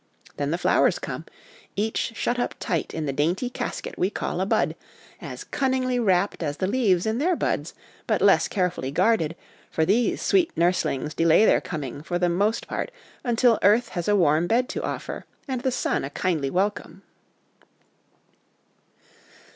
Then the flowers come, each shut up tight in the dainty casket we call a bud, as cunningly wrapped as the leaves in their buds, but less carefully guarded, for these ' sweet nurslings ' delay their coming for the most part until earth has a warm bed to offer, and the sun a kindly welcome.